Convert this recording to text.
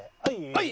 はい！